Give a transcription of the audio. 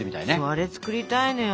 そうあれ作りたいのよ。